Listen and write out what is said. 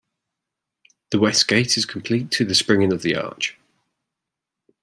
The west gate is complete to the springing of the arch.